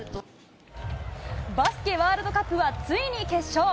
バスケワールドカップは、ついに決勝。